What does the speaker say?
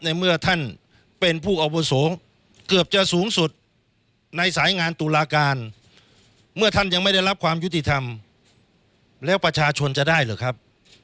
เมื่อท่านเป็นผู้อาวุโสเกือบจะสูงสุดในสายงานตุลาการเมื่อท่านยังไม่ได้รับความยุติธรรมแล้วประชาชนจะได้หรือครับ